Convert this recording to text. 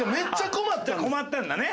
困ったんだね。